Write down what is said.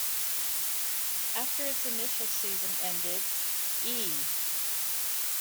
After its initial season ended, E!